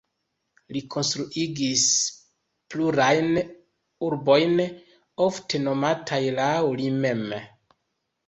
Li konstruigis plurajn urbojn, ofte nomataj laŭ li mem.